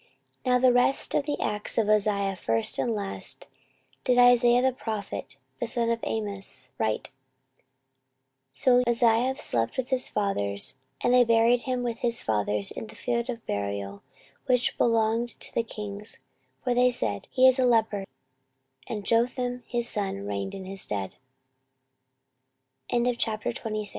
14:026:022 Now the rest of the acts of Uzziah, first and last, did Isaiah the prophet, the son of Amoz, write. 14:026:023 So Uzziah slept with his fathers, and they buried him with his fathers in the field of the burial which belonged to the kings; for they said, He is a leper: and Jotham his son reigned in h